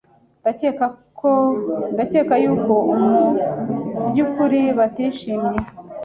Ndakeka yuko mubyukuri batishimye.